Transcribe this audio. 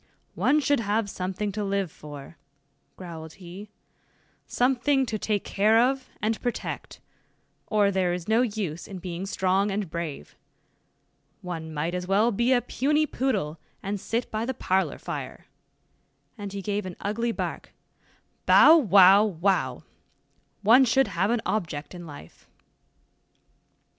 "One should have something to live for," growled he, "something to take care of and protect, or there is no use in being strong and brave. One might as well be a puny poodle, and sit by the parlor fire," and he gave an ugly bark, "bow, wow, wow! one should have an object in life."